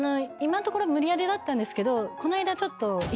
今のところ無理やりだったんですけどこの間。